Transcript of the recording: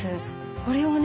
これをね